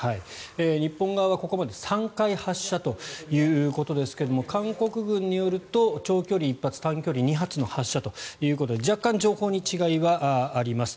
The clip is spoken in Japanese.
日本側はここまで３回発射ということですが韓国軍によると長距離１発、短距離２発の発射ということで若干、情報に違いはあります。